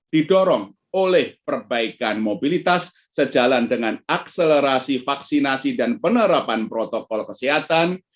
didorong oleh perbaikan mobilitas sejalan dengan akselerasi vaksinasi dan penerapan protokol kesehatan